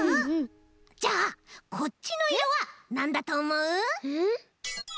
じゃあこっちのいろはなんだとおもう？